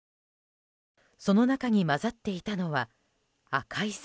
その中に混ざっていたのは赤い魚。